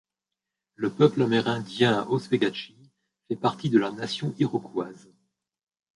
Le peuple amérindien Oswegatchie fait partie de la Nation iroquoise.